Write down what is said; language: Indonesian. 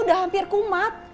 udah hampir kumat